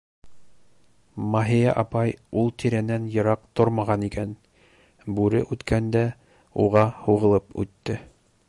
Маһия апай ул тирәнән йыраҡ тормаған икән, бүре үткәндә уға һуғылып үтте.